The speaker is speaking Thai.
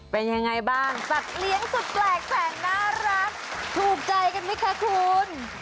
เป็นยังไงบ้างสัตว์เลี้ยงสุดแปลกแสงน่ารักถูกใจกันไหมคะคุณ